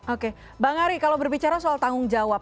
oke bang ari kalau berbicara soal tanggung jawab